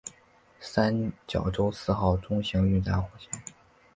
三角洲四号中型运载火箭。